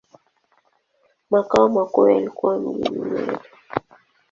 Makao makuu yalikuwa mjini Nyeri.